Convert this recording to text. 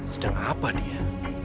sedang apa dia